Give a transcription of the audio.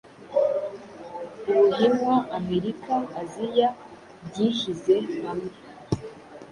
Ubuhinwa, Amerika ,aziya byihyize hamwe